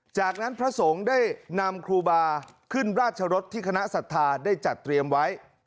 จากนั้นพระสงฆ์ได้นำครูบาขึ้นราชรสที่คณะศรัทธาได้จัดเตรียมไว้